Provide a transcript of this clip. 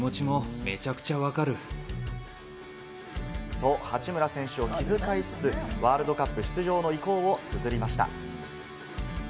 と、八村選手を気遣いつつ、ワールドカップ出場の意向を綴りました。